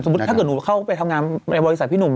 ถ้าเกิดหนูเข้าไปทำงานในบริษัทพี่หนุ่ม